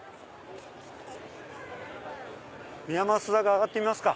宮益坂上がってみますか。